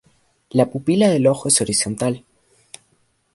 La pupila del ojo es horizontal.